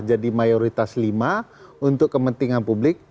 jadi mayoritas lima untuk kepentingan publik